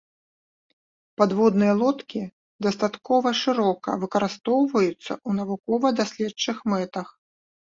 Падводныя лодкі дастаткова шырока выкарыстоўваюцца ў навукова-даследчых мэтах.